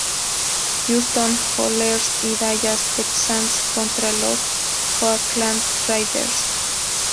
Houston Oilers y Dallas Texans contra los Oakland Raiders.